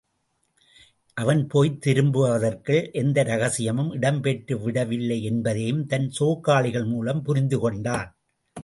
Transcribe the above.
அவன் போய்த் திரும்புவதற்குள் எந்த ரகசியமும் இடம்பெற்றுவிட வில்லை என்பதையும் தன் சேக்காளிகள் மூலம் புரிந்து கொண்டான்.